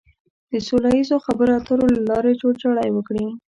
د سوله ييزو خبرو اترو له لارې جوړجاړی وکړي.